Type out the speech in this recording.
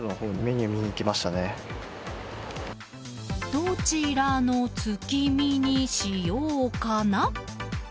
どちらの月見にしようかな。